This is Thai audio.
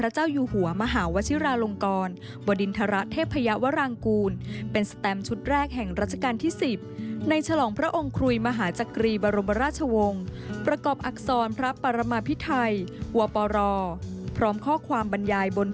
จำวันพระราชสมพบ